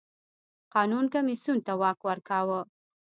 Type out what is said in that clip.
قانون کمېسیون ته واک ورکاوه.